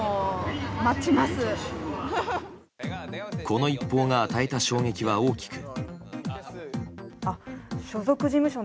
この一報が与えた衝撃は大きく。